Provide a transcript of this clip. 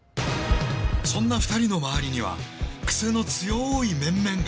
そんな２人の周りにはクセの強い面々が！